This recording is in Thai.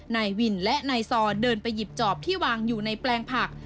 นายวินและนายซอเดินไปหยิบจอบที่วางอยู่ในแปลงผัก